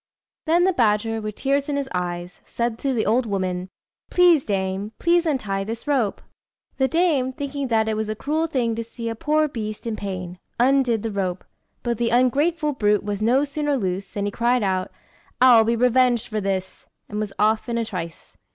Then the badger, with tears in his eyes, said to the old woman "Please, dame, please untie this rope!" The dame, thinking that it was a cruel thing to see a poor beast in pain, undid the rope; but the ungrateful brute was no sooner loose, than he cried out "I'll be revenged for this," and was off in a trice.